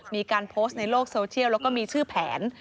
มีการโพสต์ในโลกโซเชียลแล้วก็มีชื่อแผน